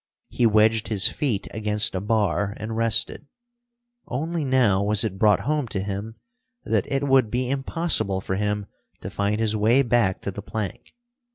He wedged his feet against a bar and rested. Only now was it brought home to him that it would be impossible for him to find his way back to the plank.